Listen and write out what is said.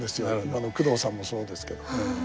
工藤さんもそうですけど。